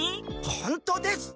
ほんとです！